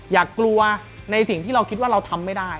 อย่ากลัวในสิ่งที่เราคิดว่าเราทำไม่ได้